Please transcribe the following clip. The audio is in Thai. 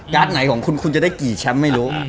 การ์ตไหนคุณก็จะได้กี่แชมป์ไม่รู้